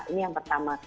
ini yang pertama